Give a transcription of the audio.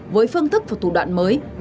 với phương thức và thủ đoạn mới